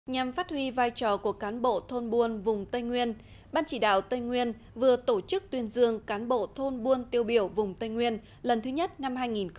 nhằm phát huy vai trò của cán bộ thôn buôn vùng tây nguyên ban chỉ đạo tây nguyên vừa tổ chức tuyên dương cán bộ thôn buôn tiêu biểu vùng tây nguyên lần thứ nhất năm hai nghìn một mươi chín